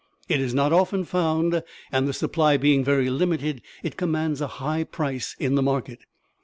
It is not often found, and, the supply being very limited, it commands a high price in the market.